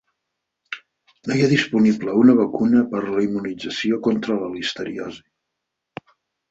No hi ha disponible una vacuna per la immunització contra la listeriosi.